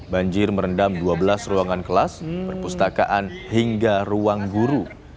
banjir merendam dua belas ruangan kelas perpustakaan hingga ruang guru